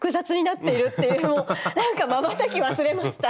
なんかまばたき忘れました。